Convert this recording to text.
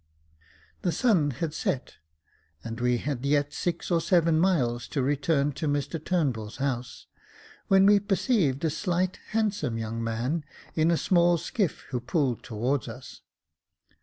The sun had set, and we had yet six or seven miles to return to Mr Turnbull's house, when we perceived a slight, handsome young man, in a small skiff, who pulled towards us.